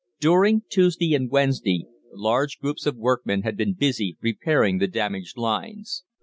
During Tuesday and Wednesday large gangs of workmen had been busy repairing the damaged lines.